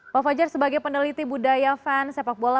pak fajar sebagai peneliti budaya fans sepak bola